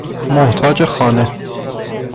محتاج خانه